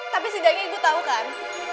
tapi sejainya ibu tau kan